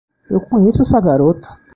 Eu conheço essa garota!